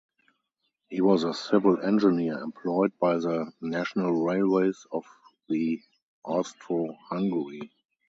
He was a civil engineer employed by the national railways of the Austro-Hungary.